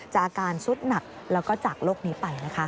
อาการสุดหนักแล้วก็จากโลกนี้ไปนะคะ